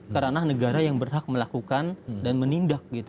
ke ranah negara yang berhak melakukan dan menindak